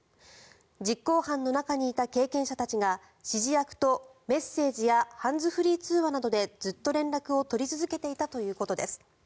実行犯の中にいた経験者たちが指示役とメッセンジャーやハンズフリー電話などでずっと連絡を取り続けていたということです。